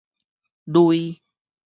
鐳